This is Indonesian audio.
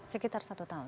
sekitar satu tahun